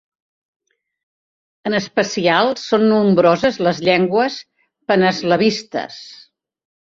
En especial, són nombroses les llengües paneslavistes.